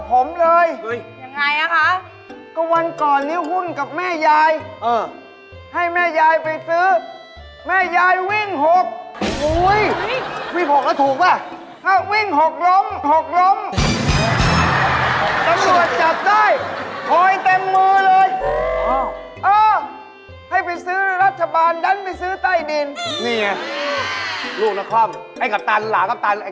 ไปขูดให้เลขมันขึ้นสักหน่อย